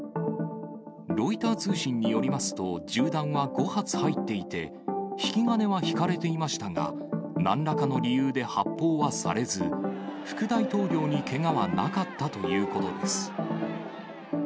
ロイター通信によりますと、銃弾は５発入っていて、引き金は引かれていましたが、なんらかの理由で発砲はされず、副大統領にけがはなかったということです。